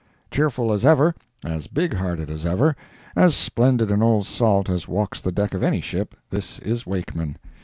Cheerful as ever, as big hearted as ever, as splendid an old salt as walks the deck of any ship—this is Wakeman.